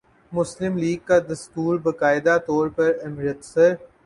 مسلم لیگ کا دستور باقاعدہ طور پر امرتسر